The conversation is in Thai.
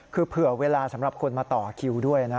คือเผื่อเวลาสำหรับคนมาต่อคิวด้วยนะ